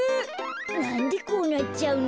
なんでこうなっちゃうの？